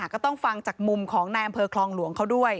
ก็ต้องฟังจากมุมของนายอำเภอคลองหลวงเขาด้วย